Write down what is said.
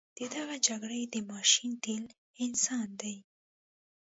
د دغه جګړې د ماشین تیل انسان دی.